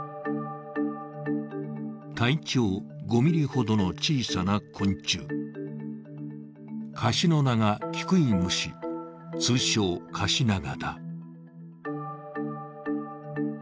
体長５ｍｍほどの小さな昆虫、カシノナガキクイムシ、通称・カシナガだ。